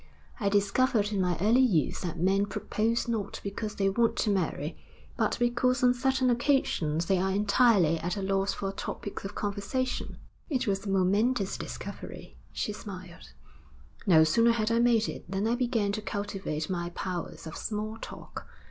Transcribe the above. I discovered in my early youth that men propose not because they want to marry, but because on certain occasions they are entirely at a loss for topics of conversation.' 'It was a momentous discovery,' she smiled. 'No sooner had I made it than I began to cultivate my powers of small talk.